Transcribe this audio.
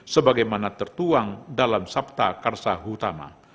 sebagaimana tertuang dalam sabta karsa utama